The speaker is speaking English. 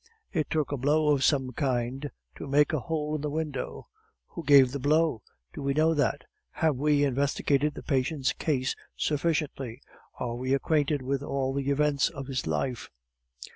It took a blow of some kind to make a hole in the window; who gave the blow? Do we know that? Have we investigated the patient's case sufficiently? Are we acquainted with all the events of his life?